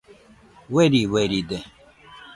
Ueri ueride